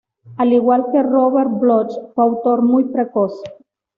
Al igual que Robert Bloch, fue autor muy precoz.